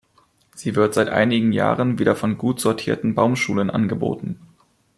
Sie wird seit einigen Jahren wieder von gut sortierten Baumschulen angeboten.